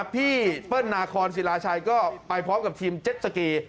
เปิ้ลนาคอนศิลาชัยก็ไปพร้อมกับทีมเจ็ดสกี